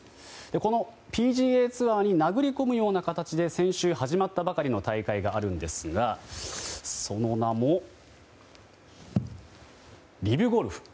このＰＧＡツアーに殴り込むような形で先週始まったばかりの大会があるんですがその名も、リブゴルフ。